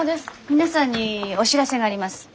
皆さんにお知らせがあります。